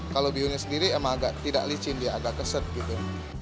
kalau bihunnya sendiri emang agak tidak licin dia agak keset gitu